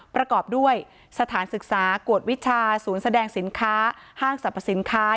ประกอบด้วยสถานศึกษากวดวิชาศูนย์แสดงสินค้าห้างสรรพสินค้า